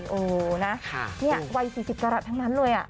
โอ้โหนะไว๔๐กรัฐทั้งนั้นเลยอ่ะ